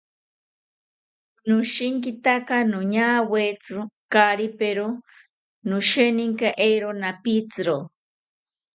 Noshinkitaka noñawetzi kari pero, nosheninka eero napitziro